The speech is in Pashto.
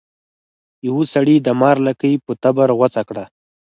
یو سړي د مار لکۍ په تبر غوڅه کړه.